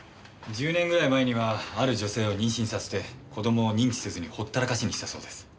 １０年ぐらい前にはある女性を妊娠させて子供を認知せずにほったらかしにしたそうです。